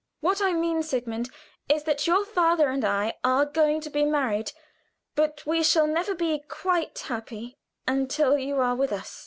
"What I mean, Sigmund, is that your father and I are going to be married; but we shall never be quite happy until you are with us."